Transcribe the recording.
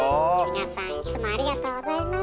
皆さんいつもありがとうございます。